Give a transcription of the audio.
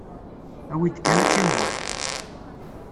Awi-d kan ad timɣur.